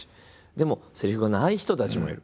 でもせりふがない人たちもいる。